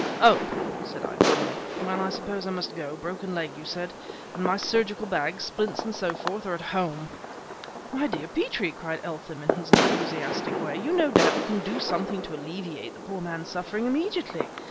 "Oh!" said I grimly, "well, I suppose I must go. Broken leg, you said? and my surgical bag, splints and so forth, are at home!" "My dear Petrie!" cried Eltham, in his enthusiastic way "you no doubt can do something to alleviate the poor man's suffering immediately.